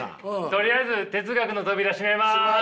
とりあえず哲学の扉閉めます。